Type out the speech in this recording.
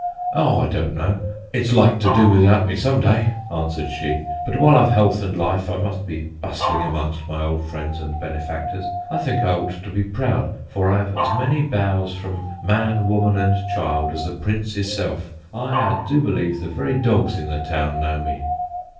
'Oh, I don't know, it's like to do without me, some day,' answered she, 'but while I've health and life, I must be bustling amongst my old friends and benefactors; I think I ought to be proud, for I've as many bows from man, woman, and child, as the Prince hisself; aye, I do believe, the very dogs in the town know me.'